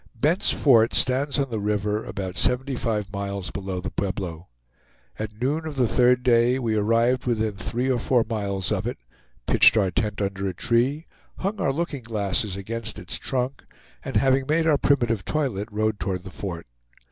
Bent's Fort stands on the river, about seventy five miles below the Pueblo. At noon of the third day we arrived within three or four miles of it, pitched our tent under a tree, hung our looking glasses against its trunk and having made our primitive toilet, rode toward the fort.